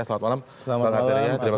selamat malam pak arteria